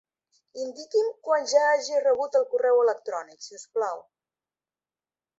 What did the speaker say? Indiqui'm quan ja hagi rebut el correu electrònic, si us plau.